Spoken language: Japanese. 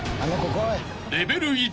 ［レベル１。